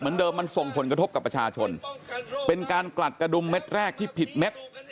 เหมือนเดิมมันส่งผลกระทบกับประชาชนเป็นการกลัดกระดุมเม็ดแรกที่ผิดเม็ด